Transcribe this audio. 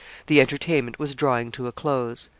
The entertainment was drawing to a close.